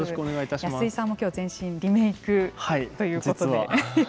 安居さんも今日全身リメイクということで。